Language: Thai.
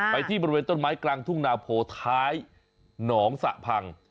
ไปที่บริเวณต้นไม้กลางทุ่งนาโพท้ายหนองสะพัง